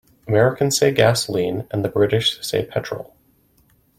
Americans say gasoline and the British say petrol.